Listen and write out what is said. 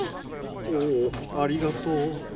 おおありがとう。